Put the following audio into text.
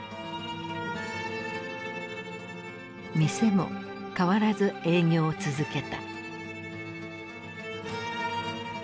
店も変わらず営業を続けた。